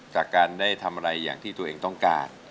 กับการได้ทำอะไรที่ตัวเองต้องการ